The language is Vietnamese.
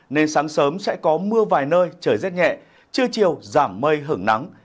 nên sáng sớm sẽ có mưa vài nơi trời rét nhẹ chưa chịu giảm mây hưởng nắng